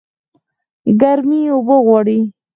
ګرمي اوبه غواړي